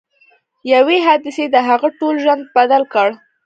یوې حادثې د هغه ټول ژوند بدل کړ